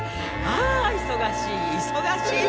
ああ忙しい忙しい・